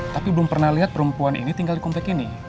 tapi belum pernah lihat perempuan ini tinggal di komplek ini